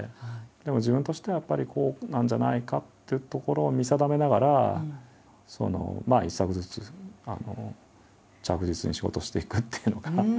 でも自分としてはやっぱりこうなんじゃないかっていうところを見定めながら一作ずつ着実に仕事していくっていうのが。